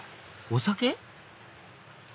お酒？